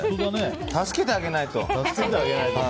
助けてあげないと。